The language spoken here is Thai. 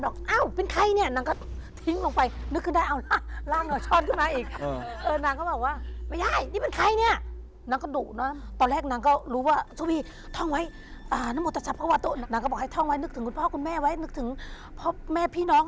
เขาบอกวิญญาณเป็นสิงห์นาง